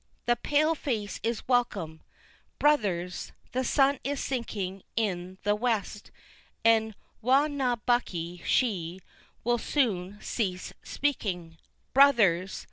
the pale face is welcome. Brothers! the sun is sinking in the west, and Wa na bucky she will soon cease speakin. Brothers!